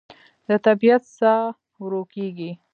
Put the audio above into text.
د طبیعت ساه ورو کېږي